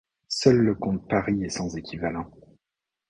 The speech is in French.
Seul le comte Pâris est sans équivalent.